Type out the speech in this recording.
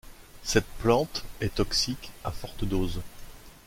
Cette plante est toxique à forte dose.